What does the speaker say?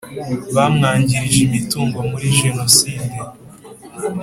bamwangirije imitungo muri Jenoside